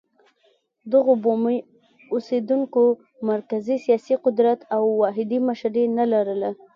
دغو بومي اوسېدونکو مرکزي سیاسي قدرت او واحده مشري نه لرله.